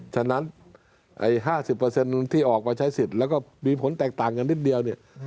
ฉะนั้น๕๐ที่ออกมาใช้สิทธิ์แล้วก็มีผลแตกต่างกันนิดเดียวเนี่ย